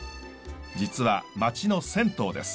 実は町の銭湯です。